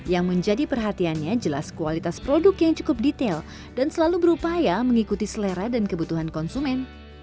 yang menjadi perhatiannya jelas kualitas produk yang cukup detail dan selalu berupaya mengikuti selera dan kebutuhan konsumen